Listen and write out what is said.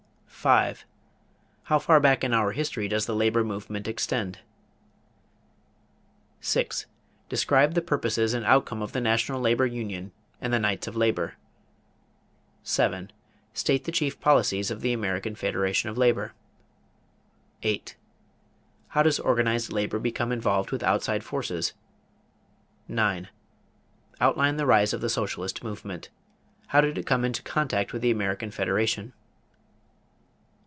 5. How far back in our history does the labor movement extend? 6. Describe the purposes and outcome of the National Labor Union and the Knights of Labor. 7. State the chief policies of the American Federation of Labor. 8. How does organized labor become involved with outside forces? 9. Outline the rise of the socialist movement. How did it come into contact with the American Federation?